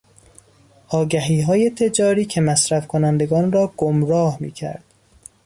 آگهیهای تجاری که مصرف کنندگان را گمراه میکرد.